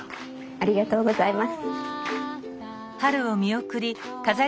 ありがとうございます。